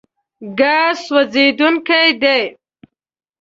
ګاز سوځېدونکی دی.